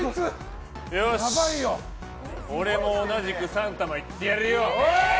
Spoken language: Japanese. よし、俺も同じく３玉いってやるよ！